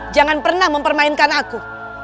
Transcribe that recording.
jangan pernah mempermainkan aku